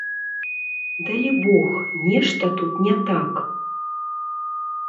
Далібог, нешта тут не так.